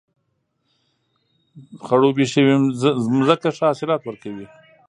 خړوبې شوې ځمکه ښه حاصلات ورکوي.